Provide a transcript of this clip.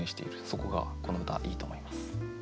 そこがこの歌いいと思います。